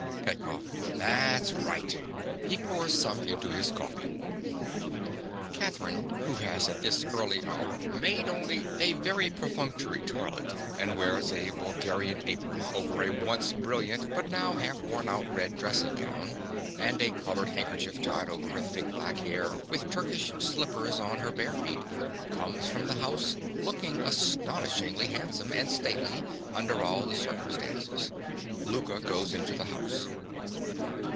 PETKOFF. That's right. (He pours some into his coffee.) (_Catherine who has at this early hour made only a very perfunctory toilet, and wears a Bulgarian apron over a once brilliant, but now half worn out red dressing gown, and a colored handkerchief tied over her thick black hair, with Turkish slippers on her bare feet, comes from the house, looking astonishingly handsome and stately under all the circumstances. Louka goes into the house.